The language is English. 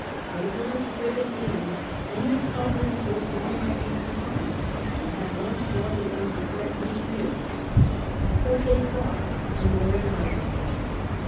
They would have driven in any covering force that he might leave behind, and have once more begun to threaten his rear. But they fought and were annihilated.